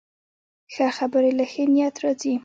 ښه خبرې له ښې نیت راځي